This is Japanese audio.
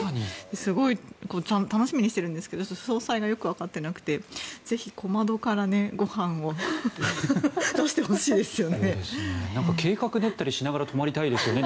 すごい楽しみにしているんですけど詳細がよくわかっていなくてぜひ小窓からご飯を計画を練ったりしながら泊まりたいですよね